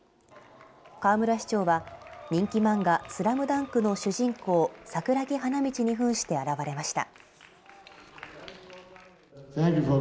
河村市長は人気漫画ＳＬＡＭＤＵＮＫの主人公桜木花道にふんして現れました。